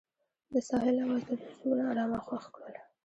د ساحل اواز د دوی زړونه ارامه او خوښ کړل.